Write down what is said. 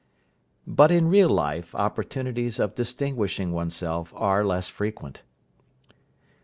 But in real life opportunities of distinguishing oneself are less frequent.